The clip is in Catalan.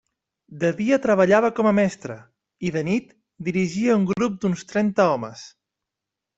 De dia treballava com a mestre, i de nit dirigia un grup d'uns trenta homes.